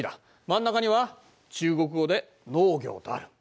真ん中には中国語で「農業」とある。